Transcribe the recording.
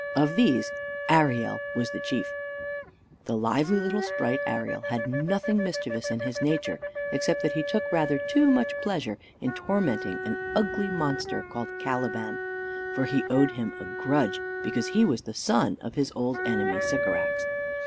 Of these Ariel was the chief. The lively little sprite Ariel had nothing mischievous in his nature, except that he took rather too much pleasure in tormenting an ugly monster called Caliban, for he owed him a grudge because he was the son of his old enemy Sycorax.